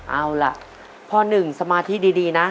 เอาล่ะพ่อหนึ่งสมาธิดีนะ